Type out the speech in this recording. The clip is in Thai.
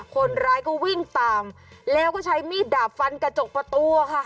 คนร้ายก็วิ่งตามแล้วก็ใช้มีดดาบฟันกระจกประตูค่ะ